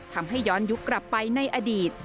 ทำให้ย้อนยุคกลับไปในอดีต